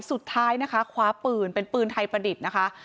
สุดท้ายนะคะคว้าปืนเป็นปืนไทยประดิษฐ์นะคะ